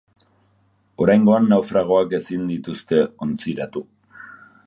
Oraingoan naufragoak ezin izan dituzte ontziratu.